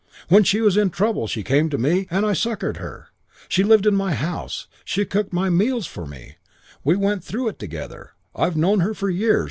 When she was in trouble she came to me and I succoured her. She lived in my house. She cooked my meals for me. We went through it together. I've known her for years.